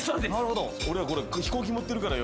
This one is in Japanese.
俺は飛行機持ってるからよ